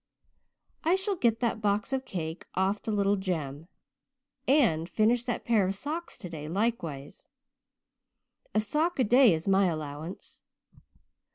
I shall get that box of cake off to little Jem and finish that pair of socks today likewise. A sock a day is my allowance.